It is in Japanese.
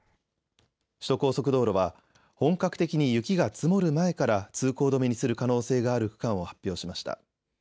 首都高速道路は本格的に雪が積もる前から通行止めにする可能性がある区間を発表しました。